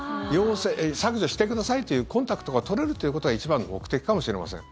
削除してくださいというコンタクトが取れるということが一番の目的かもしれません。